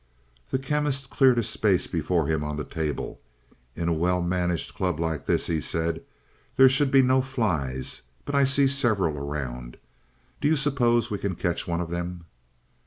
The Chemist cleared a space before him on the table. "In a well managed club like this," he said, "there should be no flies, but I see several around. Do you suppose we can catch one of them?"